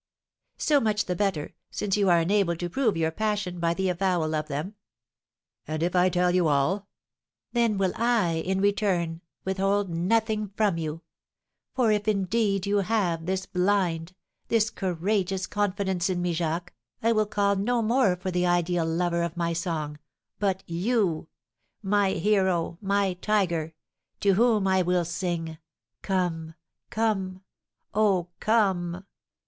"So much the better, since you are enabled to prove your passion by the avowal of them." "And if I tell you all?" "Then will I, in return, withhold nothing from you; for if, indeed, you have this blind, this courageous confidence in me, Jacques, I will call no more for the ideal lover of my song, but you, my hero, my tiger! to whom I will sing, 'Come come oh, come!'"